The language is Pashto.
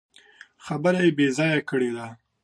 خبره يې بې ځايه کړې ده.